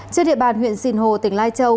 trên địa bàn huyện sìn hồ tỉnh lai châu